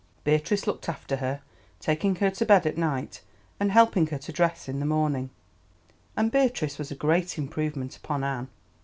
Beatrice looked after her, taking her to bed at night and helping her to dress in the morning, and Beatrice was a great improvement upon Anne.